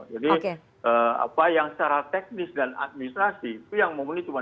apa yang secara teknis dan administrasi itu yang memenuhi cuma